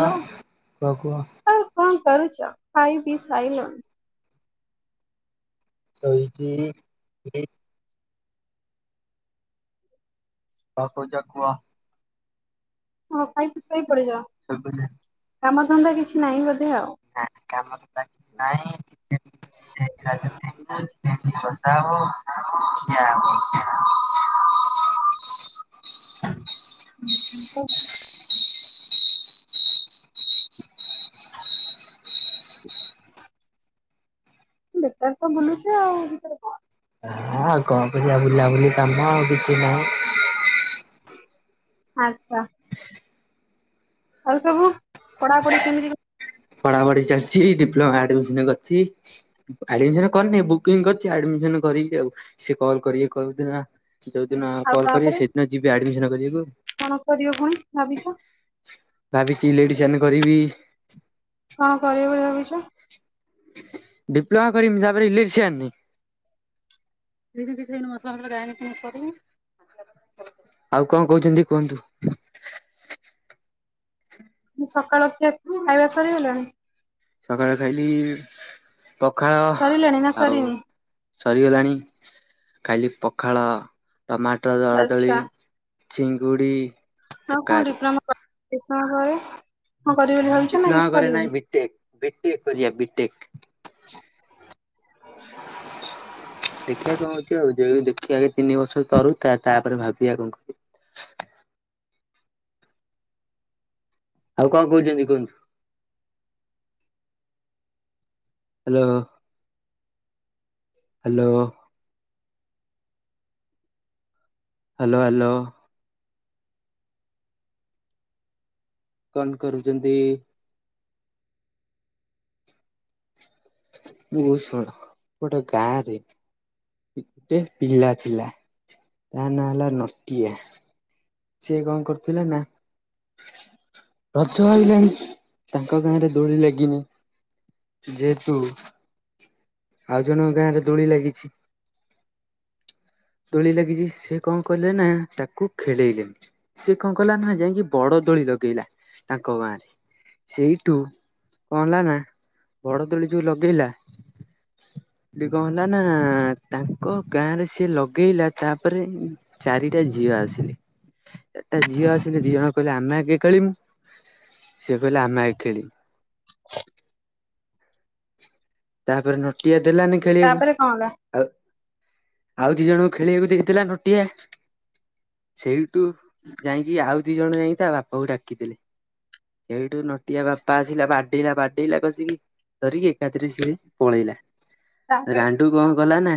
ହ! କୁହ କୁହ ଆଉ କଣ କରୁଛ? ଖାଇ ପିଇ ସାଇଲଣି। ଶୋଇଛି। ବି କଣ କହୁଛ କୁହ? ମୋ ପାଇଁ ଶୋଇ ପଡ଼ଯାଅ। ଶୋଇପଇଲେ? କାମ ଧନ୍ଦା କିଛି ନାହିଁ ବୋଧେ ନା କାମରେ ଆଉ [inaudible] [inaudible] ହୁଁ [inaudible] ବେକାର ତ ବୁଲୁଛେ ଆଉ, ଭିତରେ କଣ ଲଭଲି ତମ ଆଉ କିଛି ନାଇଁ। ଆଚ୍ଛା। ଆଉ ସବୁ ପଢାପଢି କେମିତି କଣ? ପଢା ପଢି ଚାଲିଛି। ଡିପ୍ଲୋମା ଆଡମି ମିସନ୍ କରିଛି। ଆଡମିସନ୍ କରିନି ବୁକିଂ କରିଚି ଆଡମିସନ୍ କରିକି ଆଉ, ସେ କଲ୍ କରିଏ, କ ଯୋଉ ଦିନ, ଯୋଉ ଦିନ ଆଉ କଲ୍ କରିବେ, ତାପରେ ସେଇଦିନ ଯିବି ଆଡମିସନ କରିଆକୁ। କଣ କରିବ ପୁଣି ଭାବିଛ? ଭାବିଚି ଲେଡିସାନ କରିବି। କଣ କରିବ ବୋଲି ଭାବିିଛ? ଡିପ୍ଲୋମା କରିମି। ତାପରେ ଇଲେକ୍ଟ୍ରିସିଆନି [unintelligible] ଆଉ କଣ କହୁଛନ୍ତି କୁହନ୍ତୁ। ସକାଳ ଖିଆ ଖାଇବା ସରିଗଲାଣି? ସକାଳେ ଖାଇଲି ପଖାଳ ସରିଲାଣି ନା ଆଉ ସରିନି? ସରିଗଲାଣି। ଖାଇଲି ପଖାଳ ଟମାଟର ଦଳାଦଳି ଚିଙ୍ଗୁଡ଼ି ହଁ କଣ ଡିପ୍ଲୋମା କରି ଘରେ? ଡିପ୍ଲୋମା କରେ ନାଇଁ ବିଟେକ୍ ବିଟେକ୍ କରିବା ବିଟେକ୍ ଦେଖିବା କଣ ହଉଛି ଆଉ ଯ ଦେଖି ଆଗେ ତିନି ବର୍ଷ ତରୁ ତା ତାପରେ ଭାବିବା କଣ କରି [inaudible] ଆଉ କଣ କହୁଛନ୍ତି କୁହନ୍ତୁ ହ୍ୟାଲୋ ହ୍ୟାଲୋ। Hello hello. କଣ କରୁଛନ୍ତି? ନେୱଜ଼ ଶୁଣ ଗୋଟେ ଗାଁରେ ଗୋଟେ ପିଲା ଥିଲା ତା ନାଁ ହେଲା ନଟିଆ। ସିଏ କଣ କରୁଥିଲେ ନା ରଜ ହେଇଲାଣି ତାଙ୍କ ଗାଁରେ ଦୋଳି ଲାଗିନି। ଯେହେତୁ ଆଉ ଜଣଙ୍କ ଗାଁରେ ଦୋଳି ଲାଗିଛି। ଦୋଳି ଲାଗିଛି ସେ କଣ କଲେ ନା ତାକୁ ଖେଳେଇଲେଣି ସେ କଣ କଲା ନା ଯାଇକି ବଡ କଦଳି ଲଗେଇଲା ତାଙ୍କ ଗାଁ ରେ ସେଇଠୁ କଣ ହେଲା ନା ବଡଦୋଳି ଯୋଉ ଲଗେଇଲା। ଟିକେ କଣ ହେଲା ନା ତାଙ୍କ ଗାଁ ରେ ସିଏ ଲଗ ପଗେଇଲା ତାପରେ ଚାରିଟା ଝିଅ ଆସିଲେ ଏଟା ଝିଅ ଆସିଲେ ଦି ଜଣ କହିଲେ ଆମେ ଆଗେ ଖେଳିମୁ ସେିଏ କହିଲେ ଆମେ ଆଗେ ଖେଳି ତାପରେ ନଟିଆ ଦେଲାନି ଖେଳିବାକୁ ତାପରେ କଣ ହେଲା? ଆଉ ଆଉ ଦି ଜଣଙ୍କୁ ଖେଳିବାକୁ ଦେଇଥିଲା ନଟିଆ। ସେଇଠୁ ଯାଇକି ଆଉ ଦି ଜଣ ଯାଇକି ତା ବାପାକୁ ଡାକିଦେଲେ। ସେଇଠୁ ନଟିଆ ବାପା ଆସିଲା ବାଡେଇଲା ବାଡେଇଲା କସିକି ଧରିକି ତାପରେ ସେ ପଳେଇଲା ତାପରେ ଗାଣ୍ଡୁ କଣ କଲା ନା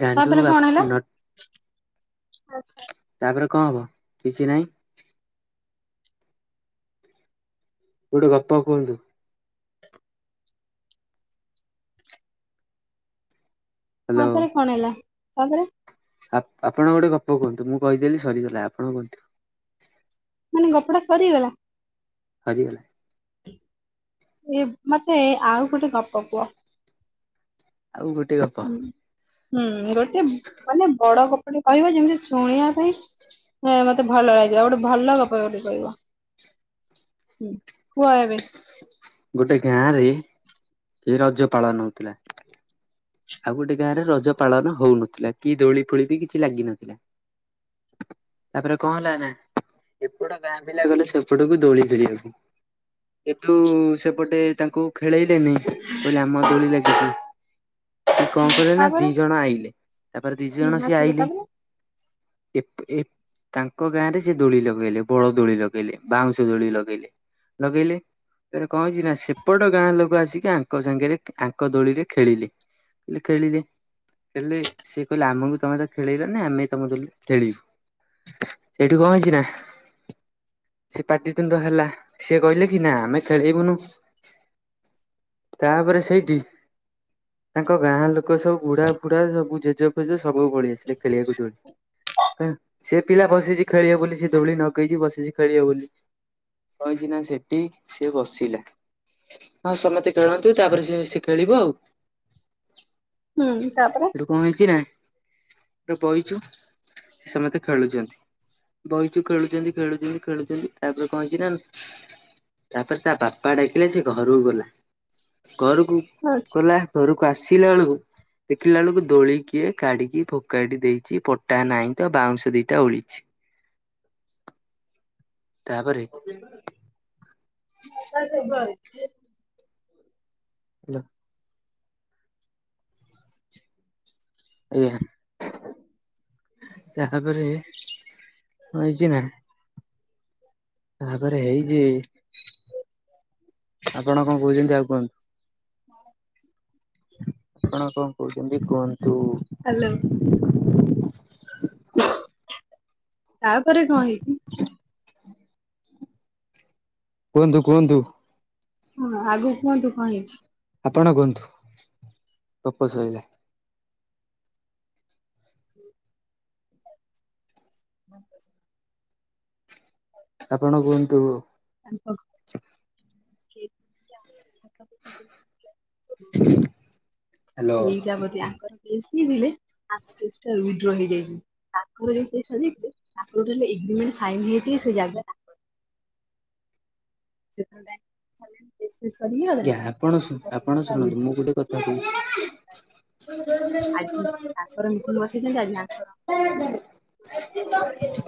ଗାଣ୍ଡୁ ତାପରେ କଣ ହେଲା? [unintelligible] ତାପରେ କଣ ହବ କିଛି ନାଇଁ ଗୋଟେ ଗପ କୁହନ୍ତୁ ହ୍ୟାଲୋ ହଁପରେ କଣ ହେଲା ତାପରେ ଆପଣ ଗୋଟେ ଗପ କୁହନ୍ତୁ ମୁଁ କହିଦେଲି ସରିଗଲା। ଆପଣ କୁହନ୍ତୁ ମାନେ ଗପଟା ସରିଗଲା? ସରିଗଲା। ଏ ମତେ ଆଉ ଗୋଟେ ଗପ କୁହ। ଆଉ ଗୋଟେ ଗପ ହୁଁ ହୁଁ ଗୋଟେ ମାନେ ବଡ ଗପଟି କହିବ ଯେମିତି ଶୁଣିବା ପାଇଁ ହଁ ମତେ ଭଲ ଲାଗିବ ଗୋଟେ ଭଲ ଗପ ଗୋଟେ କହିବ। ହୁଁ କୁହ ଏବେ ଗୋଟେ ଗାଁ ରେ କି ରଜ ପାଳନ ହଉଥିଲା। ଆଉ ଗୋଟେ ଗାଁରେ ରଜ ପାଳନ ହଉନଥିଲା କି ଦୋଳି ଫୋଳି ବି କିଛି ଲାଗିନଥିଲା। ତାପରେ କଣ ହେଲା ନା ଏପଟ ଗାଁ ପିଲା ଗଲେ ସେପଟକୁ ଦୋଳି ଫୋଳିବାକୁ। କିନ୍ତୁ ସେପଟେ ତାଙ୍କୁ ଖେଳେଇଲେନି କହିଲେ ଆମ ଦୋଳି ଲାଗିଛି ସିଏ କଣ କଲେ ନା ତାପରେ ଦି ଜଣ ଆଇଲେ ତାପରେ ଦି ହୁଁ ଜଣ ସିଏ ଆସିଲେ ଆଇଲେ ତାପରେ ଏପ ଏପ ତାଙ୍କ ଗାଁ ରେ ସେ ଦୋଳି ଲଗେଇଲେ ବଡ ଦୋଳି ଲଗେଇଲେ ବାଉଁଶ ଦୋଳି ଲଗେଇଲେ। ଲଗେଇଲେ କଣ ହେଇଚି ନା ସେପଟ ଗାଁ ଲୋକ ଆସିକି ଆଙ୍କ ସାଙ୍ଗରେ ଆଙ୍କ ଦୋଳିରେ ଖେଳିଲେ। ଏ ଖେଳିଲେ ହେଲେ ସିଏ କହିଲେ ଆମକୁ ତମେ ତ ଖେଳିଲନି ଆମେ ତମେସ ଖେଳିବୁ। ସେଇଠି କଣ ହେଇଛି ନା ସେ ପାଟିିତୁଣ୍ଡ ହେଲା ସିଏ କହିଲେ କି ନା ଆମେ ଖେଳେଇବୁନୁ। ତାପରେ ସେଇଠି ତାଙ୍କ ଗାଁ ଲୋକ ସବୁ ବୁଢା ଫୁଢା ସବୁ ଜେଜ ଫେଜ ସବୁ ପଳେଇ ଆସିଲେ ଖେଳିବାକୁ ଦୋଳି। ସେ ପିଲା ବସେଇଛି ଖେଳିବ ବୋଲି ସେ ଦୋଳି ନଗେଇକି ବସେଇଛି ଖେଳିବ ବୋଲି। ହଛିିନା ସେଠୀ ସିଏ ବସିଲା ହଁ ସମସ୍ତେ ଖେଳନ୍ତି ତାପରେ ସିଏ ସିଏ ଖେଳିବ ଆଉ। ହୁଁ ତାପରେ ସେଠୁ କଣ ହେଇଛି ନା ବଇଛୁ। ସମସ୍ତେ ଖେଳୁଛନ୍ତି। ବଇଛୁ ଖେଳୁଛନ୍ତି ଖେଳୁଛନ୍ତି ଖେଳୁଛନ୍ତି ତାପରେ କଣ ହେଇଛି ନା ତାପରେ ତା ବାପା ଡାକିଲେ ସେ ଘରକୁ ଗଲା। ଘରକୁ ଆଚ୍ଛା। ଗଲା ଘରକୁ ଆସ ପିଲା ମାନଙ୍କୁ ଦେଖିଲା ବେଳକୁ ଦୋଳିକିଏ କାଢିକି ଫୋକାଡି ଦେଇଛି ପଟା ନାହିଁ ତ ବାଉଁଶ ଦିଟା ଓଳିଛି। ତାପରେ ବାପା ସେ ଘରେ। ହ୍ୟାଲୋ ଆଜ୍ଞା ତାପରେ କଣ ହେଇଚି ନା ତାପରେ ହେଇଛି ଆପଣ କଣ କହୁଛନ୍ତି ଆଗ କୁହନ୍ତୁ। ଆପଣ କଣ କହୁଛନ୍ତି କୁହନ୍ତୁ। ହ୍ୟାଲୋ ତାପରେ କଣ ହେଇଛି କୁହନ୍ତୁ କୁହନ୍ତୁ। ହଁ ଆଗକୁ କୁହନ୍ତୁ କଣ ହେଇଛି? ଆପଣ କୁହନ୍ତୁ। ଗପ ସହିଲା। ହ ଆପଣ କୁହନ୍ତୁ [inaudible] [unintelligible] ହ୍ୟାଲୋ ସେଇଟା ବୋଧେ ଆଙ୍କର [inaudible] ଉଇଡ୍ର ହେଇଯାଇଛି। ତାଙ୍କରେ ଯୋଉ ପଇସା ଦେଇଥିଲେ ତାଙ୍କ ଏଗିମେଣ୍ଟ ସାଇନ୍ ହେଇଛି ସେ ଜାଗା ତା [inaudible] ଏ ସରିଗଲା ଆଜ୍ଞା ଆପଣ ଶୁ ଆପଣ ଶୁଣନ୍ତୁ [inaudible] ମୁଁ ଗୋଟେ କଥା କହୁଛି। ଆଜି ତାଙ୍କର ମିଟିଂ ବସେଇଛନ୍ତି ଆଜି ଆଙ୍କର [inaudible]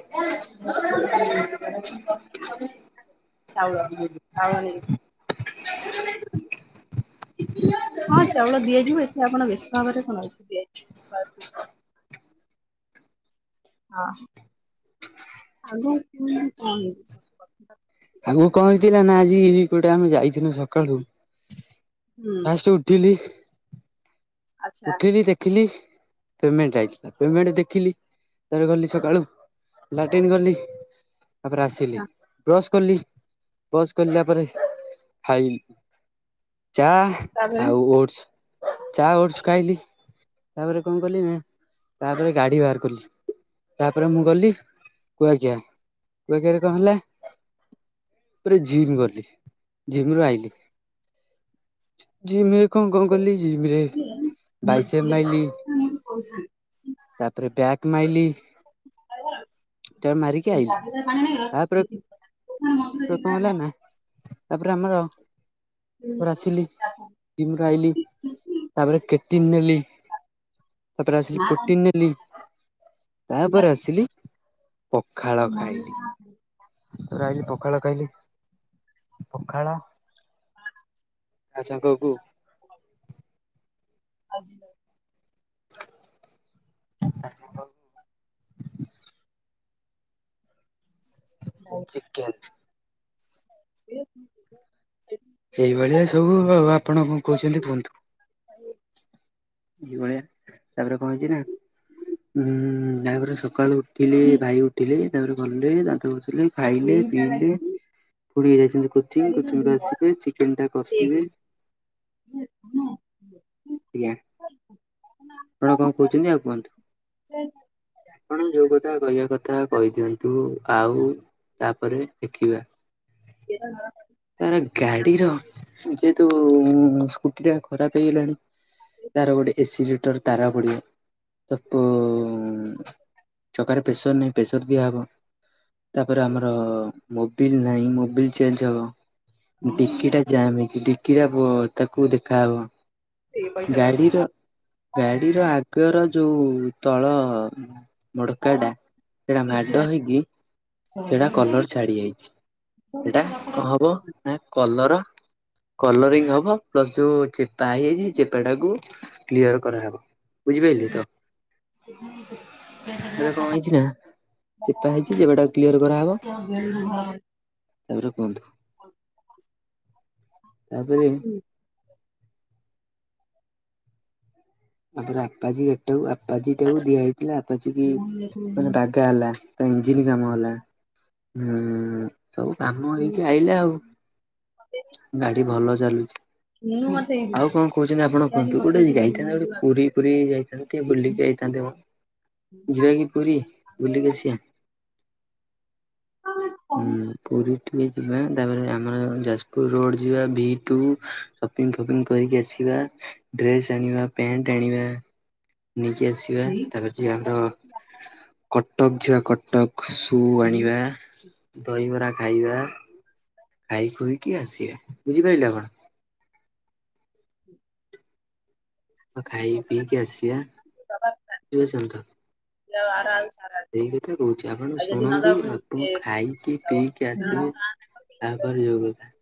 [inaudible] [inaudible] ଆ ହଁ ଚାଉଳ ଦିଆଯିବ ଏଠି ଆପଣ ବ୍ୟସ୍ତ ଭାବରେ କଣ ଅଛି ଦିଆଯିବ। ହଁ [inaudible] ଆଗକୁ କଣ ହେଇଥିଲା ନା ଆଜି ଗୋଟେ ଆମେ ଯାଇଥିଲୁ ସକାଳୁ ଫାଷ୍ଟ ଉୁଠିଲି ଉଠିକି ଦେଖିଲି ପେମେଣ୍ଟ ଆଇଛି ପେମେଣ୍ଟ ଦେଖିଲି ତାପରେ ଗଲି ସକାଳୁ। ଲାଟିନ୍ ଗଲି ତାପରେ ଆସିଲି ବ୍ରସ କଲି। ବସ୍ ଚଢ଼ିଲା ପରେ ଖାଇଲି। ଚା ତାପରେ ଆଉ ଓଟସ। ଚା ଓଟସ୍ ଖାଇଲି। ତାପରେ କଣ କଲି ନା ତାପରେ ଗାଡି ବାହାର କଲି। ତାପରେ ମୁଁ ଗଲି କୁଆଖିଆ। କୁଆଖିଆରେ କଣ ହେଲା? ତାପରେ ଜିମ୍ ଗଲି। ଜିମ୍ ରୁ ଆଇଲି, ଜିମ୍ କଣ କଣ କଲି ଜିମ ରେ ବାଇସେପ ମାଇଲି। [inaudible] ତାପରେ ବ୍ୟାକ୍ ମାଇଲି। ଏତକ ମାରିକି ଆଇଲି। ତାପରେ, ତାପରେ କଣ ହେଲା ନା ତାପରେ ଆମର ଆସିଲି, ଜିମ୍ ରୁ ଆଇଲି। ତାପରେ ପ୍ରୋଟିନ୍ ନେଲି। ତାପରେ ଆସିଲି ପ୍ରୋଟିନ୍ ନେଲି। ତାପରେ ଆସିଲି ପଖାଳ ଖାଇଲି। ତାପରେ ଆଇଲି ପଖାଳ ଖାଇଲି ପଖାଳ ଆଚ୍ଛା କୁହ କୁହ। ଆଚ୍ଛା। ଆଜି। [unintelligible] କ୍ରିକେଟ୍। [unintelligible] ସେଇଭଳିଆ ସବୁ ଆଉ। ଆପଣ କଣ କହୁଛନ୍ତି କୁହନ୍ତୁ? ଏଇ ଭଳିଆ ତାପରେ କଣ ହେଇଛି ନା ହୁଁ ତାପରେ ସକାଳୁ ଉଠିଲି, ଭାଇ ଉଠିଲେ ତାପରେ ଗଲେ ଦାନ୍ତ ଘସିଲେ, ଖାଇଲେ, ପିଇଲେ କୋଉଠିକି ଯାଇଛନ୍ତି କୋଚିଂ, କୋଚିଂ ରୁ ଆସି ଚିକେନ ଟା କଷିବେ ଆଜ୍ଞା। ଆପଣ କଣ କହୁଛନ୍ତି ଆଉ କୁହନ୍ତୁ? ଆପଣ ଯୋଉ କଥା କହିବା କଥା କହିଦିଅନ୍ତୁ। ଆଉ ତାପରେ ଦେଖିବା। [unintelligible] ଗାଡ଼ିର ଯେହେତୁ ସ୍କୁଟି ଟା ଖରାପ ହେଇଗଲାଣି, ତାର ଗୋଟେ ଏସି ଲିଟର ତାର ପଡିିବ। ତା ପ ଚକାରେ ପ୍ରେସର ନାହିଁ। ପ୍ରେସର ଦିଆହେବ। ତାପରେ ଆମର ମୋବିଲ ନାହିଁ ମୋବିଲ୍ ଚେଞ୍ଜ ହବ। ଡିକି ଟା ଜାମ୍ ହେଇଛି ଡିକି ଟା ତାକୁ ଦେଖାହବ। ଗାଡିର ଗାଡିର ଆଗର ଯୋଉ ତଳ ମୋଡକା ଟା ସେଟା ମାଡ ହେଇକି ସେଟା କଲର ଛାଡି ଯାଇଛି। ସେଇଟା କଣ ହବ ନା କଲର କଲରିଂ ହବ ପ୍ଲସ ଯୋଉ ଚେପା ହେଇଯାଇଛି ଚେପା ଟାକୁ କ୍ଲିୟର କରାହେବ। ବୁଝି ପାଇଲେ ତ! ଏଟା କଣ ହେଇଛି ନା ଚେପା ହେଇଛି। ଚେପା ଟାକୁ କ୍ଲିୟର କରାହବ। ତାପରେ କୁହନ୍ତୁ। ତାପରେ ତାପରେ ଆପାଜି ଗାଡି ଟାକୁ ଆପାଜିଟାକୁ ଦିଆ ହେଇଥିଲା ଆପାଜି କି ମାନେ ବାଗା ହେଲା। ତା ଇଞ୍ଜିନ୍ କାମ ହେଲା। ଉଁ ସବୁ କାମ ହେଇକି ଆଇଲା ଆଉ। ଗାଡି ଭଲ ଚାଲୁଚି। ଆଉ କଣ କହୁଛନ୍ତି ଆପଣ କୁହନ୍ତୁ? ଗୋଟେ। [unintelligible] ପୁରୀ ପୁରୀ ଯାଇଥାନ୍ତି ଟିକେ ବୁଲିକି ଆଇଥାନ୍ତେ ମ। ଯିବାକି ପୁରୀ ବୁଲିିକି ଆସିବା। ହୁଁ ପୁରୀ ଠି ଯିବା ତାପରେ ଆମର ଯାଜପୁର ରୋଡ଼ ଯିବା ଭିଟୁ ସପିଙ୍ଗ ଫପିଙ୍ଗ କରିକି ଆସିବା। ଡ୍ରେସ ଆଣିବା, ପ୍ୟାଣ୍ଟ ଆଣିବା ନେଇକି ଆସିବା। ତାପରେ ଯେ ଆମର କଟକ ଯିବା କଟକ ସୁ ଆଣିବା। ଦହିବରା ଖାଇବା, ଖାଇ ଖୁଇକି ଆସିଆ। ବୁଝିପାରିଲେ ଆପଣ? ହୁଁ। ହଉ ଖାଇ ପିଇକି ଆସିଆ, ବୁଝିପାରିଛନ୍ତି ତ? ଲୋ ଆର ଆଉଚି ସେଇ କଥା କହୁଛି ଆପଣ ଶୁଣନ୍ତୁ। ଆପଣ ଖାଇକି ପିଇକି ଆସିବେ ତାପରେ ଯୋଉ କଥା।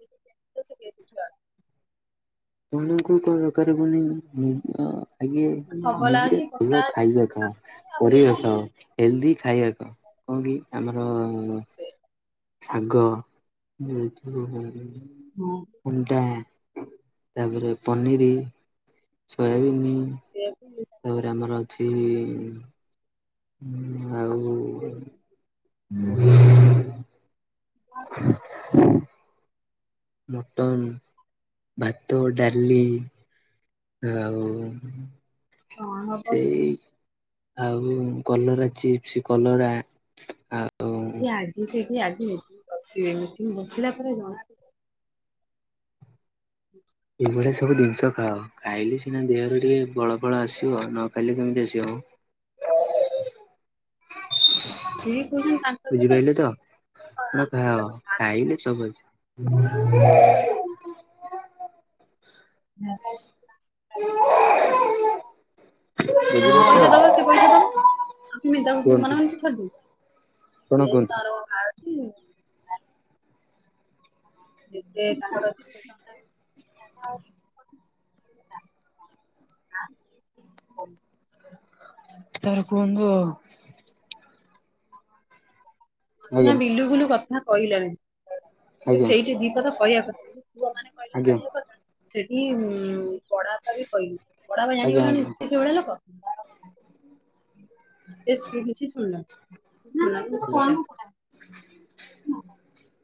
[unintelligible] ଆପଣଙ୍କୁ କଣ ଦରକାର କୁହନି ନିଜ ଆଗେ ନିଜେ ଭଲ ଖାଇବା କଣ? ପରିବା ଖାଅ, ହେଲ୍ଦି ଖାଇବା ଖାଅ, କଣ କି ଆମର ଶାଗ [unintelligible] ଅଣ୍ଡା ତାପରେ ପନିରି, ସୋୟାବିନି ସେୟାକୁ [unintelligible] ତାପରେ ଆମର ଅଛି ହୁଁ ଆଉ ମଟନ, ଭାତ, ଡାଲି ଆଉ କଣ ହବ କି? ସେଇ ଆଉ କଲରା ଚିପ୍ସ, କଲରା ଆ ସେ ଆଜି ସେଇଠି ଆଜି ମିଟିଂ ବସିବେନି ମିଟିଂ ବସିଲା ପରେ ଜଣାପଡ଼ିବ ଏଇଭଳିଆ ସବୁ ଜିନିଷ ଖାଅ, ଖାଇଲେ ସିନା ଦେହରେ ଟିକେ ବଳ ଫଳ ଆସିବ ନ ଖାଇଲେ କେମିତି ଆସିବ। ଅଁ। ସିଏ କହୁଛନ୍ତି ତାଙ୍କ [unintelligible] ବୁଝିପାରିଲେ ତ ଅ ଆପଣ ଖାଅ ଆମର ଆଗ ବାହାରୁଚି ଖାଇଲେ ସବୁ ଆସିବ ସେଠି [unintelligible] ବୁଝିପାରୁଛ ପଇସା ଦବ ସେ ପଇସା ଦବ। ଆଉ କେମିତି ତାକୁ କୁହନ୍ତୁ ମନେ ମନେ ଛାଡ଼ିଦବୁ। କଣ [unintelligible] କୁହନ୍ତୁ ତାର [unintelligible] ଯେତେ କାହାର ଯେତେ ଟଙ୍କା [unintelligible] ଉତ୍ତର କୁହନ୍ତୁ ଆଉ। ମଝିଆଁ ଆଜ୍ଞା ବିଲୁକୁଲୁ କଥା କହିଲାନି। ସେ ଆଜ୍ଞା ସେଇଠି ଦି ପଦ କଥା କହିବା କଥା, ଯେମିତି ପୁଅ ମାନେ କହିଲେ ଆଜ୍ଞା ଛାଡିବା କଥା ସେଠି ଉଁ ବଡାପା ବି କହିନି ବଡାପା ଆଜ୍ଞା ଜାଣିଗଲେଣି ଆଜ୍ଞା ସେ କି ଭଳିଆ ଲୋକ? ସିଏ ଶୁଣୁଚି ଆଜ୍ଞା। ଶୁଣିଲାନି [unintelligible] [unintelligible]